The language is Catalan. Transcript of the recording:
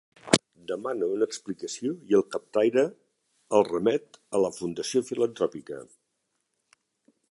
Demana una explicació i el captaire el remet a la Fundació Filantropica.